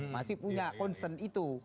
masih punya concern itu